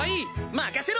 任せろ！